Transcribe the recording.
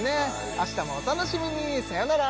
明日もお楽しみにさよなら！